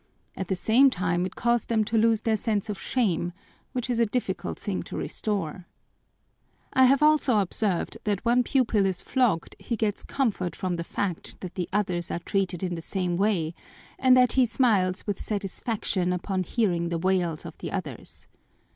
At the same time it caused them to lose their sense of shame, which is a difficult thing to restore. I have also observed that when one pupil is flogged, he gets comfort from the fact that the others are treated in the same way, and that he smiles with satisfaction upon hearing the wails of the others.